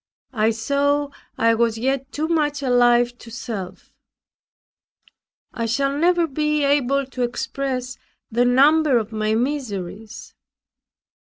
I saw I was yet too much alive to self. I shall never be able to express the number of my miseries.